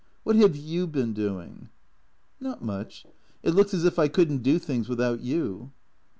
" What have you been doing ?"" ISFot much. It looks as if I could n't do things without you."